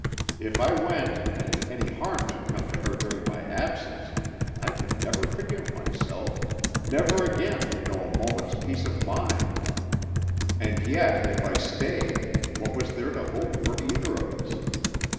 If I went, and any harm should come to her during my absence, I could never forgive myself, never again know a moment's peace of mind. And yet if I stayed, what was there to hope for either of us?